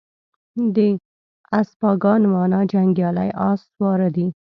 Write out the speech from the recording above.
د اسپاگان مانا جنگيالي اس سواره دي